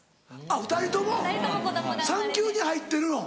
あっ２人とも産休に入ってるの。